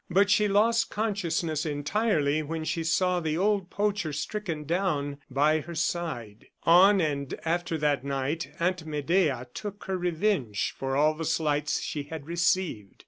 But she lost consciousness entirely when she saw the old poacher stricken down by her side. On and after that night Aunt Medea took her revenge for all the slights she had received.